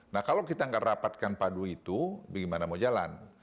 nah kalau kita nggak rapatkan padu itu bagaimana mau jalan